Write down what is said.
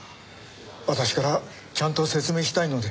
私からちゃんと説明したいので。